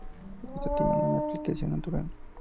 Esto tiene una explicación natural.